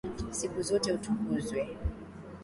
Siku zote utukuzwe.